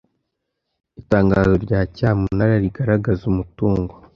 itangazo rya cyamunara rigaragaza umutungo